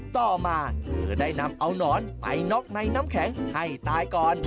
ต่อมาเธอได้นำเอานอนไปน็อกในน้ำแข็งให้ตายก่อน